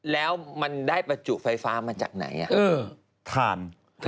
แล้วมันได้ประจุไฟฟ้ามาจากไหน